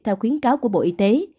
theo khuyến cáo của bộ y tế